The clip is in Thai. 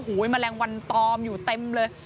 โอ้โหแมลงวันตอมอยู่เต็มเลย